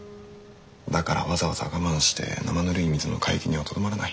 だからわざわざ我慢してなまぬるい水の海域にはとどまらない。